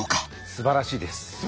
すばらしいです！